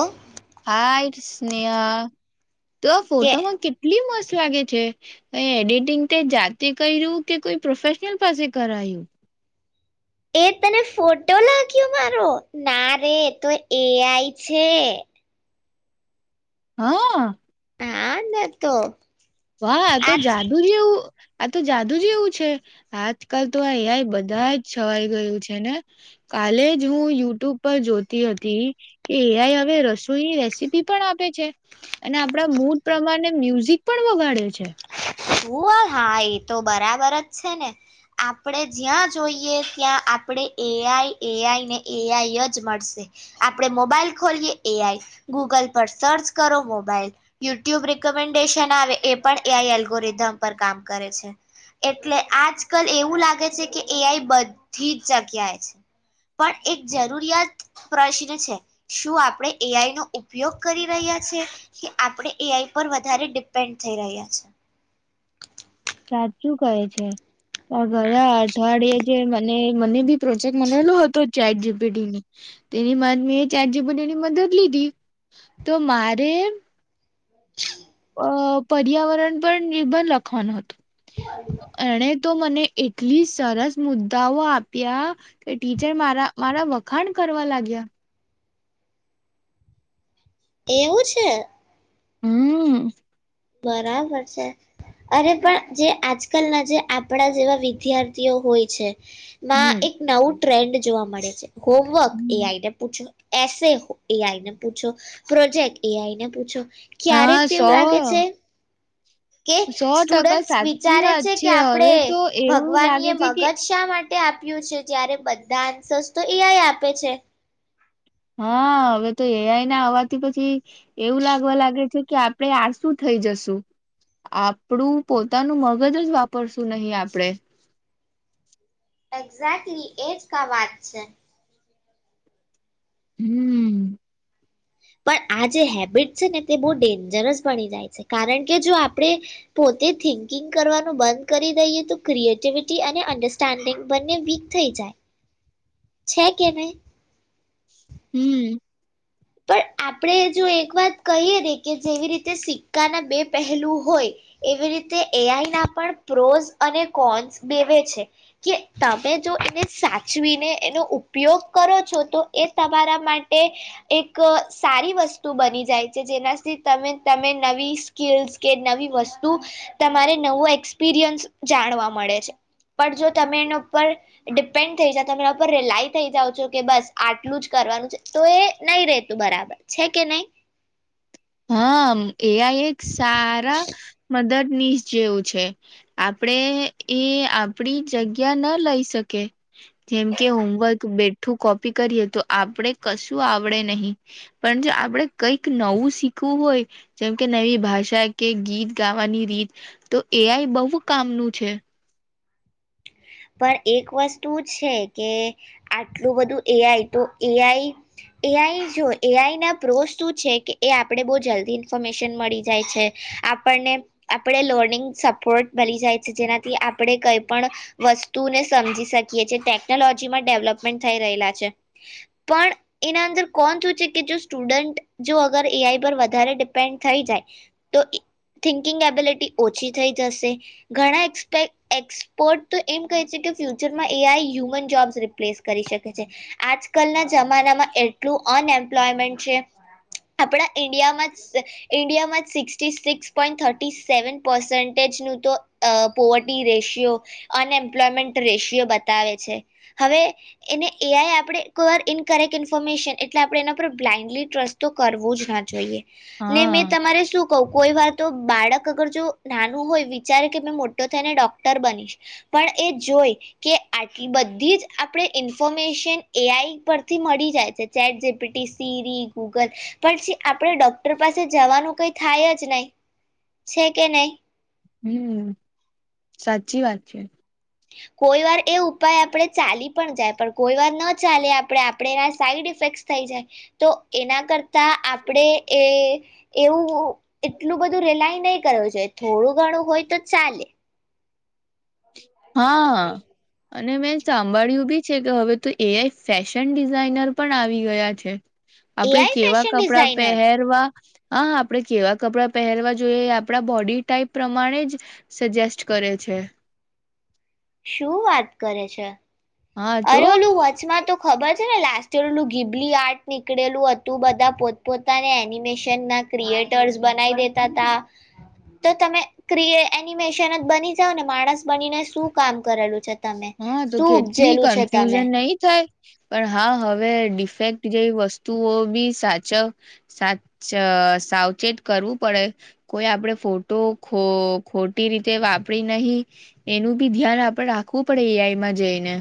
ઓ hi Sneha તો આ કે ફોટોમાં કેટલી મસ્ત ું વાગે છે એડિટિંગ જાતે કર્યું કે કોઈ પ્રોફેશનલ પાસે કરાયું એ તને ફોટો લાગ્યો મારો ના રે તો એ આય છે. હા હા ને તો વાહ તો આ જાદુ છેવું આ તો જાદુ જ એવું છે આજકાલ તો આ એઆઈ બધા જ છવાઈ ગયું છે ને કાલે જ હું યુટ્યુબ પર જોતી હતી કે એઆઈ હવે રસોઈની રેસીપી પણ આપે છે અને આપણા મૂડ પ્રમાણે મ્યુઝિક પણ વગાડ્યો છે. હા એ તો બરાબર જ છે ને આપણે જ્યાં જોઈએ ત્યાં આપણેે એઆઈ એઆઈ ને એઆઈ જ મળશે આપડણે મોબાઈલ ખોલીએ એઆઈ ગૂગલ પર સર્ચ કરો મોબાઈલ યુટ્યુબ રિકમેન્ડેશન આવે એ પણ એઆઈએલ એલ્ગોરીધામ પર કામ કરે છે એટલે આજ કલ એવું લાગે છે કે એઆઈ બધી જ જગ્યાએ છે પણ એક જરૂરિયાત પ્રશ્ન છે શું આપણે એઆઈ નો ઉપયોગ કરી રહ્યા છે કે આપણે એ આઈ ઉપ વધારે ડિપેન્ડ થઈ રહ્યા છે. [inaudible] સાચું કહે છે. આ ઘર અઠવાડિે જે અને મને બી પ્રોજેક્ટ બનેલો હતો. ચાર જી પી ટીની તેની મે ચાર જી પપી ટી ની મદદ લીધી તો મારે [inaudible] અ પર્યાવરણ પર નિર્ભર લખવાનો હત હતો. [unintelligible] અને તો મને એટલી સરસ મુદ્દાઓ આપ્યા, કે ટીચર મારા મારા વખાણ કરવા લાગ્યા. એવું છે. હમ. બરાબર છે, અરે પણ જે આજકાલના જે આપણા જેવા વિદ્યાર્થીઓ હોય છે. ના એક હમ નવું ટ્રેન્ડ જોવા મળે છે. હોમવર્ક એ આઈ ને પૂછ એસે એ આઈ ને પૂછો, પ્રોજેક્ટ એ આઈ ને પૂછો. ક્યારેક હા તો સો એવું લાગે છે. કે સો ટકા સ્ટુડન્ટ્સ સાચી વિચારે વાત છે કે હવે આપણેે તો એવું ભગવાન લાગે એ છે કે મગજ શા માટે આપ્યું છે જ્યારે બધા આન્સર્સ તો એ આઈ આપે છે. હા હવે તો એઆઈ ના આવવાથી પછી, એવું લાગવા લાગે છે કે આપડણે આ શું થઈ, જશુ આપડું પોતાનું મગજ જ વાપરશું નહી આપડે. એક્ઝેક્ટલી એજ કા વાત છે. હમ. પણ આ જે હેબિટ છે ને તે બહુ ડેન્જર જ બની જાય છે કારણ કે જો આપણે, પોતે થિન્કિંગ કરવાનું બંધ કરી દઈએ તો ક્રિએટિવિટી અને અન્ડરસ્ટેન્ડિંગ બંને વીક થઈ જાય, છે કે નહી. હમ. પણ આપણે જો એક વાત કહીએ ને કે જેવી રીતે સિક્કાના બે પહેલું હોય, એવી રીતે એઆઈ ના પણ પ્રોઝ અને કોન્સ બેવે છે, કે તમે જો એને સાચવીને એનો ઉપયોગ કરો છો તો એ તમારા માટે એક સારી વસ્તુ બની જાય છે જેનાથી તમે તમે નવી સ્કીલ્સ કે નવી વસ્તુ, તમારે નવું એક્સપિરિયન્સ જાણવા મળે છે, પણ જો તમે એના ઉપર ડિપેન્ડ થઈ જઓ તમે એના ઉપર રિલાઈ થઈ જાઓ છો કે બસ આટલું જ કરવાનું છે તો એ નહી રેતું બરાબર છે કે નહી? હા. એ આઈ એક સારા મદદ નિશ જેવું છે, આપણેે એ આપડી જગ્યા ના લઈ શકે, જેમકે હોમવર્ક બેઠું કોપી કરીએ તો આપે કશું આવડે નહી, પણ જો આપડે કઈક નવું શીખ ખવુ હોય, જેમ કે નવી ભાષા કે ગીત ગાવાની રીત તો એ આઈ બહુ કામનું છે. પણ એક વસ્તુ છે કે, આટલું બધું એ આઈ તો એ આઈ એ આઈ જો એઆઈ ના પ્રો શું છે કે એ આપણે બહુ જલ્દી ઇન્ફોર્મેશન મળી જાય છે, આપણને આપણે લર્નિંગ સપોર્ટ મળી જાય છે જેનાથી આપણે કઈ પણ વસ્તુને સમજી શકીએ છીએ ટેકનોલોજીમાં ડેવલપમેન્ટ થઈ રહેલા છે, પણ એના અંદર કોણ શું છે કે જો સ્ટુડન્ટ જો અગર એ આઈ પર વધારે ડિપેન્ડ થઈ જાય, તો થિંકિંગ એબિલિટી ઓછી થઈ જશે, ઘણા એક્સપે એક્સપોર્ટ તો એમ કહે છે કે ફ્યુચરમાં A I human jobs replace કરી શકે છે, આજકાલના જમાનામાં એટલું અનએમ્પ્લોયમેન્ટ છે, આપણા ઇન્ડિયામાં જ ઇન્ડિયામાં જ six six point thirty seven પર્સન્ટેજનું તો પોવર્ટી રેશિયો અનએમ્પ્લોયમેન્ટ રેશિયો બતાવે છે, હવે એને એ આઈ આપણે કોર ઇન કરેક્ટ ઇન્ફોર્મેશન એટલે આપણે એના પર બ્લાઇન્ડલી ટ્રસ્ટ તો કરવું જ ન જોઈએ. ને હા મેં તમારે શું કો કોઈ વાર તો બાળક અગર જો નાનું હોય વિચારે કે મે મોટો થઈને ડોક્ટર બનીશ. પણ એ જોઈ, કે આટલી બધી જ આપણે ઇન્ફોર્મેશન એઆઈ પરથી મળી જાય છે chat G PT Siri Google, પછી આપણે ડોક્ટર પાસે જવાનું કઈ થાય જ નહી, છે કે નહી. હમ્મ, સાચી વાત છે. કોઈ વાર એ ઉપાય આપણે ચાલી પણ જાય પણ કોઈ વાર ન ચાલે આપણે આપણે એના સાઈડ ઇફેક્ટ થઈ જાય. તો એના કરતા આપણે એ એવું એટલું બધું રિલાય નહીં કરવું જોઈએ થોડું ઘણું હોય તો ચાલે. હા. અને મેં સાંભળ્યું બી છે કે હવે તો એ આઈ ફેશન ડિઝાઇનર પણ આવી ગયા છે. આપડે એઆઈ કેવા ફેશન કપડા ડિઝાઇનર પહેરવા હા, આપણે કેવા કપડાં પહેરવા જોઈએ એ આપણા બોડી ટાઈપ પ્રમાણે જ સજેસ્ટ કરે છે. શું વાત કરે છે. હા તો અરે ઓલું વચમાં તો ખબર છે ને લાસ્ટ ઇયરનું ગીબલી આર્ટ નીકળેલું હતું બધા પોતપોતાને એનિમેશનના ક્રિએટર્સ બનાવી દેતા હતા. તો તમે ક્રીએ એનિમેશન જ બની જાઓ ને માણસ બનીને શું કામ કરેલું છે તમે શું ટલી ઉપજેલું છે તમે કન્ફ્યુઝન નહી થાય. પણ હા હવે ડિફેક્ટ જેવી વસ્તુઓ બી સાચવ સાચ અહ સાવચેત કરવું પડે કોઈ આપણે ફોટો ખોફખોટી રીતે વાપરી નહી એનું બી ધ્યાન આપણે રાખ ખવું પડે એ આઈ માં જઈ ને.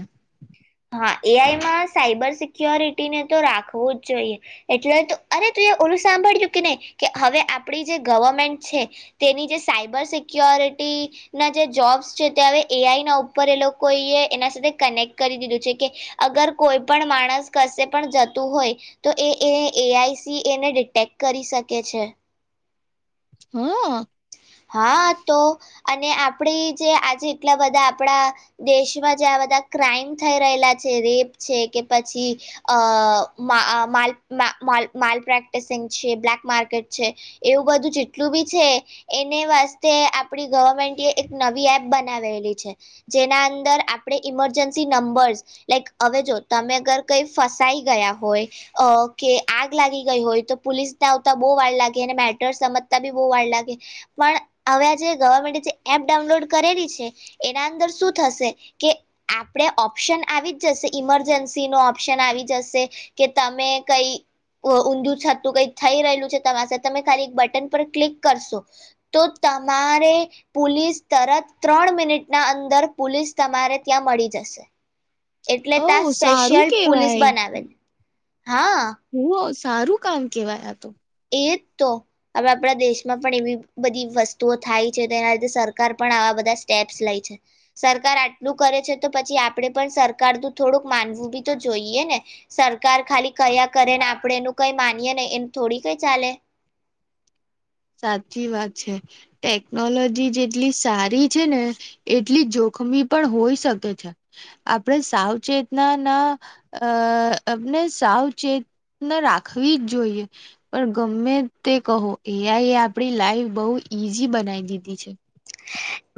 હા એ આઈમાં સાયબર સિક્યોરિટીને તો રાખવું જ જોઈએ એટલે અરે તું એ ઓલું સાંભળજુ કે નહી કે હવે આપણી જે ગવર્મેન્ટ છે તેની જે સાયબર સિક્યોરિટીના જે જોબ્સ છે તે હવે એ આઈના ઉપર એ લોકોએ એના સાથે કનેક્ટ કરી દીધું છે કે અગર કોઈ પણ માણસ કશે પણ જતું હોય તો એ એ એ આઈ સી એને ડિટેક્ટ કરી શકે છે. હઅ. હા તોકી અને આપડી ઈજે આજે એટલા બધા આપણા દેશમાં જે આ બધા ક્રાઈમ થઈ રહેલા છે રેપ છે કે પછી અહ માઅ માલ-માલ પ્રેક્ટિસિંગ છે બ્લેક માર્કેટ છે એવું બધું જેટલું બી છે એને વાસ્તે આપણી ગવર્મેન્ટએ એક નવી એપ બનાવેલી છે. જેના અંદર આપણે ઈમરજન્સી નંબર્સ લાઈક હવે જો તમે અગર કઈ ફસાઈ ગયા હોય અહ કે આગ લાગી ગઈ હોય તો પોલીસને આવતા બહુ વાર લાગે અને મેટર સમજતા બી બહુ વાર લાગે. પણ હવે આ જેે ગવર્મેન્ટ જે એપ ડાઉનલોડ કરેલી છે એના અંદર શું થશે કે આપડે ઓપ્શન આવી જ જશે ઈમરજન્સી નો ઓપ્શન આવી જશે કે તમે કઈ અહ ઊંધું છતું કઈ થઈ રહેલું છે તમા સાથે તમે ખાલી એક બટન પર ક્લિક કરશો તો તમારે પોલીસ તરત ત્રણ મિનિટના અંદર પોલીસ તમારે ત્યાં મળી જશે. એટલે ઓ તા સ્પેશિયલ પોલીસ બનાવેલ. હા હું ઓશ. સારું કામ કેહેવાય આતો. એત તો હવે આપણા દેશમાં પણ એવી બધી વસ્તુઓ થાય છે તેના લીધે સરકાર પણ આવા બધા સ્ટેપ્સ લે છે સરકાર આટલું કરે છે તો પછી આપડે પણ સરકાર થોડુંક માનવું બી તો જોઈએ ને સરકાર ખાલી કયા કરે ને આપડણે એનું કઈ માનીએ ને એમ થોડી તોઈ ચાલે. સાચી વાત છે. ટેકનોલોજી જેટલી સારી છે ને એટલી જોખમી પણ હોય શકે છે. આપણે સાવચેતના ના અહ આપને સાવચેતના રાખવી જ જોઈએ પણ ગમે તે કહો એ આઈ એ આપડી લાઈફ બહુ ઈઝી બનાઈ દીધી છે.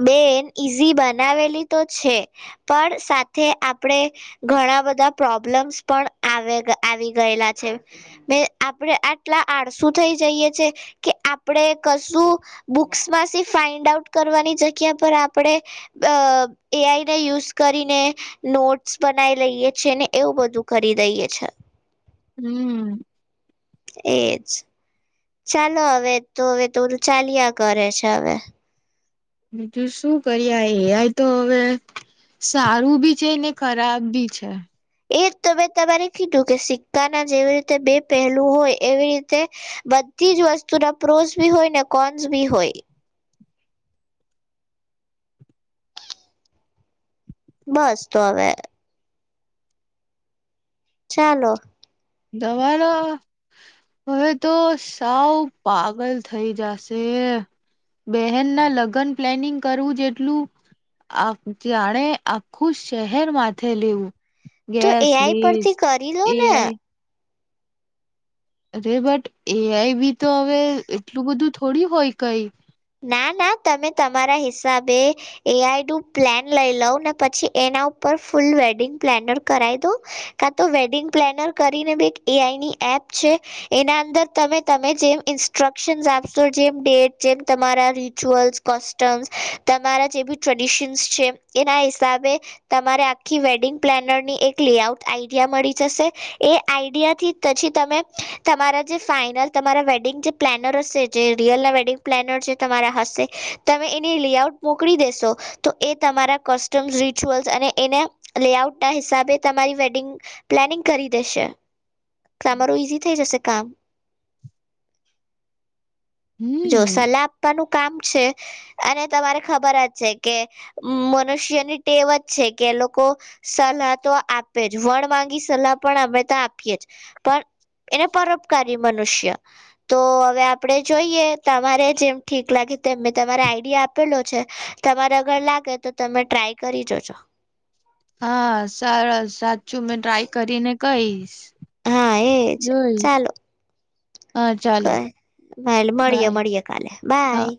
બેન ઈઝી બનાવેલી તો છે પણ સાથે આપણે ઘણા બધા પ્રોબ્લમ્સ પણ આવે-આવી ગયેલા છે. મે આપણે આટલા આળસુ થઈ જઈએ છે કે આપણે કશું બુક્સમાંથી ફાઈન્ડ આઉટ કરવાની જગ્યા પર આપણે અહ એ આઈ ના યુઝ કરીને નોટસ બનાવી લઈએ છીએ ને એવું બધું કરી દઈએ છે. હમ્મ. એજ. ચાલો હવે તો હવે તોરું ચાલ્યા કરે છે હવે. બીજું શું કરીએ એ આઈ તો હવે સારું બી છે ને ખરાબ બી છે. એક તો મેં તમારે કીધું કે સિક્કાના જેવી રીતે બે પહેલું હોય એવી રીતે બધી જ વસ્તુના પ્રોઝ બી હોય ને કોન્સ બી હોય. બસ તો હવે ચાલો. દવા લો હવે તો સાવ પાગલ થઈ જશે. બહેન ના લગ્ન પ્લાનિંગ કરવું જેટલું આ જાણે આખું શહેર માથે લેવું. તો એ ગેસ આઈ પરથી લિસ્ટ કરી લો ને. એઆઈ અરે બટ એ આઈ બી તો હવે એટલું બધું થોડી હોય કઈ. ના ના તમે તમારા હિસાબે એ આઈ નું પ્લાન લઈ લઉ ને પછી એના ઉપર ફૂલ વેડિંગ પ્લેનર કરાવ દઉ કા તો વેડિંગ પ્લેનર કરીને બી એક એ આઈની એપ છે એના અંદર તમે તમે જેમ ઇન્સ્ટ્રક્શન આપશો જેમ ડેટ જેમ તમારા રિચ્યુઅલ્સ કોસ્ટમ્સ તમારા જે બી ટ્રેડિશન્સ છે, એના હિસાબે તમારે આખી વેડિંગ પ્લેનરની એક લેઆઉટ આઈડિયા મળી જશે. એ આઈડિયાથી પછી તમે તમારા જે ફાઇનલ તમારા વેડિંગ જે પ્લેનર હશે જે રિયલના વેડિંગ પ્લેનર છે તમારા હસ્તે. તમે એની લેઆઉટ મોકલી દેશો. તો એ તમારા કસ્ટમ્સ રિચ્યુઅલ્સ અને એને લેઆઉટ ના હિસાબે તમારી વેડિંગ પ્લાનિંગ કરી દેશે. તમારો ઈઝી થઈ જશે કામ જો હમ સલાહ આપવાનું કામ છે. અને તમારે ખબર જ છે કે, મનુષ્યની ટેવ જ છે કે, લોકો સલાહ તો આપે જ વણ માંગી સલાહ પણ અમે તો આપીએજ. પણ એને પરોપકારી મનુષ્ય તો હવે આપણે જોઈએ તમારે જેમ ઠીક લાગે તે મેં તમારે આઈડિયા આપેલો છે તમારે આગળ લાગે તો તમે ટ્રાય કરી જાજો. હા સરસ સાચું મેં ટ્રાય કરીને કઈસ હા એજ ચાલો હા ચાલો કય ભલે મળીયે બાય મળીયે કાલે. હા બાય